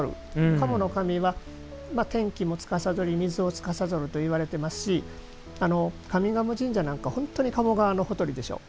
賀茂の神は天気もつかさどり水をつかさどるといわれてますし上賀茂神社なんかは本当に賀茂川のほとりでしょう。